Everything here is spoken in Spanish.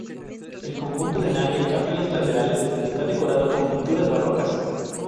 El conjunto de nave y capillas laterales está decorado con pinturas barrocas.